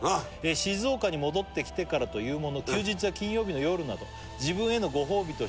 「静岡に戻ってきてからというもの」「休日や金曜日の夜など自分へのご褒美として」